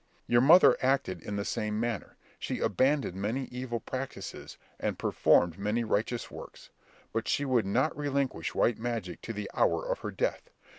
Your mother acted in the same manner; she abandoned many evil practices, and performed many righteous works; but she would not relinquish white magic to the hour of her death.